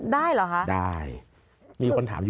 ได้เหรอคะคุณปิวร้ายได้